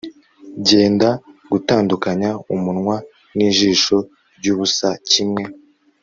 Genda gutandukanya umunwa nijisho ryubusa kimwe